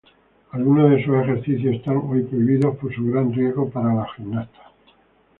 Algunos de sus ejercicios están hoy prohibidos por su gran riesgo para las gimnastas.